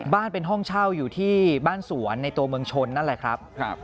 บ้านเป็นห้องเช่าอยู่ที่บ้านสวนในตัวเมืองชนนั่นแหละครับ